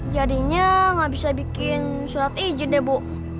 jadinya gak bisa bikin surat ijin deh bu